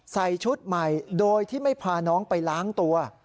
ใส่ชุดใหม่โดยที่ไม่พาน้องไปล้างตัว